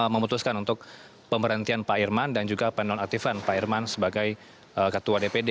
memutuskan untuk pemberhentian pak irman dan juga penonaktifan pak irman sebagai ketua dpd